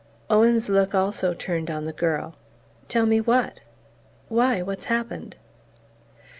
Owen's look also turned on the girl. "Tell me what? Why, what's happened?"